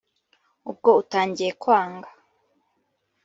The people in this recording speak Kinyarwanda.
Ubwo utangiye kwanga